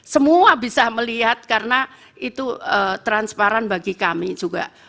semua bisa melihat karena itu transparan bagi kami juga